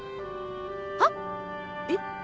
はっ？えっ？